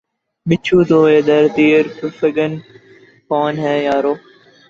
پوچھو تو ادھر تیر فگن کون ہے یارو